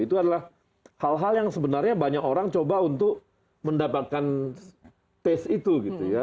itu adalah hal hal yang sebenarnya banyak orang coba untuk mendapatkan taste itu gitu ya